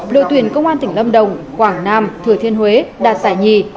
đội tuyển công an tỉnh lâm đồng quảng nam thừa thiên huế đạt giải nhì